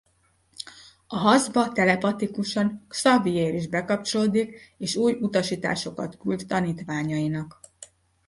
A harcba telepatikusan Xavier is bekapcsolódik és új utasításokat küld tanítványainak.